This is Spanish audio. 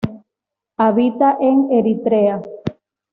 Habita en Eritrea.